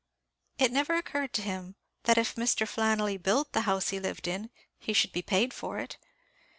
It never occurred to him that if Mr. Flannelly built the house he lived in, he should be paid for it.